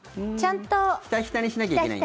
ひたひたにしなきゃいけないんだ。